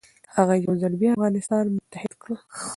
هغه یو ځل بیا افغانستان متحد کړ.